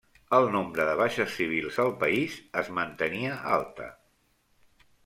El nombre de baixes civils al país es mantenia alta.